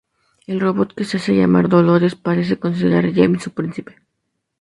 El Robot, que se hace llamar Dolores, parece considerar James, su príncipe.